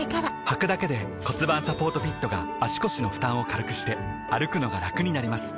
はくだけで骨盤サポートフィットが腰の負担を軽くして歩くのがラクになります